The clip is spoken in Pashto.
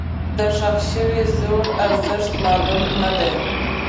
دښخ شوي زرو ارزښت معلوم نه و.